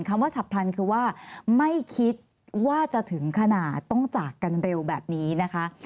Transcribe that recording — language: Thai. คำว่าฉับพลันคือว่าไม่คิดว่าจะถึงขนาดต้องจากกันเร็วแบบนี้นะคะ